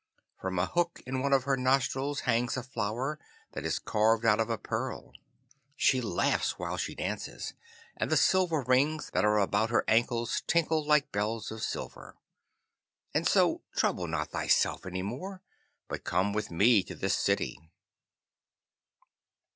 From a hook in one of her nostrils hangs a flower that is carved out of a pearl. She laughs while she dances, and the silver rings that are about her ankles tinkle like bells of silver. And so trouble not thyself any more, but come with me to this city.